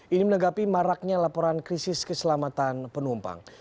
ini menanggapi maraknya laporan krisis keselamatan penumpang